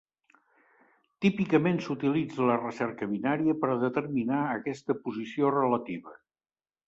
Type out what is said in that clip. Típicament s'utilitza la recerca binària per a determinar aquesta posició relativa.